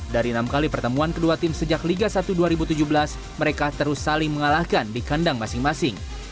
dari enam kali pertemuan kedua tim sejak liga satu dua ribu tujuh belas mereka terus saling mengalahkan di kandang masing masing